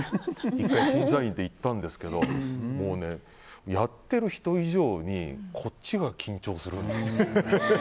審査員で行ったんですけどもう、やっている人以上にこっちが緊張する。